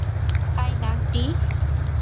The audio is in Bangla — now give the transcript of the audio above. তাই না, টি?